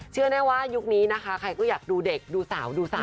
เชื่อแน่ว่ายุคนี้นะคะใครก็อยากดูเด็กดูสาวดูสาว